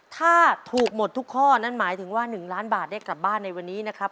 ถ้าถูกหมดทุกข้อนั่นหมายถึงว่า๑ล้านบาทได้กลับบ้านในวันนี้นะครับ